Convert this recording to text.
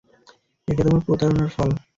এটা তোমার প্রতারণার ফল।